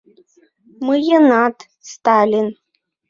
— Мыйынат — Сталин!